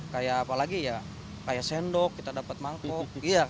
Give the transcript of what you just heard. kayak apa lagi ya kayak sendok kita dapat mangkuk